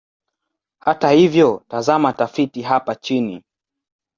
Hata hivyo, tazama tafiti hapa chini.